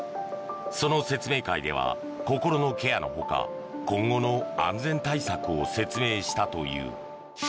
その説明会では心のケアのほか今後の安全対策を説明したという。